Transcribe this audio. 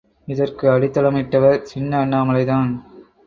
இதற்கு அடித்தளமிட்டவர் சின்ன அண்ணாமலைதான்.